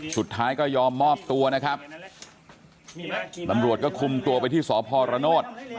สุดท้ายก็ยอมมอบตัวนะครับตำรวจก็คุมตัวไปที่สพรโนธ